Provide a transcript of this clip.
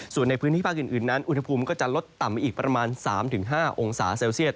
ส่วนในพื้นที่ภาคอื่นนั้นอุณหภูมิก็จะลดต่ำอีกประมาณ๓๕องศาเซลเซียต